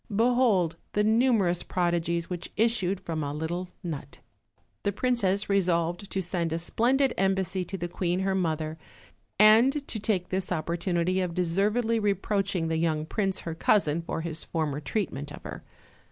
Behold the numerous prodigies which issued from a little nut! The princess resolved to send a splendid embassy to the queen her mother, and to take this opportunity of de servedly reproaching the young prince her cousin for his former treatment of her.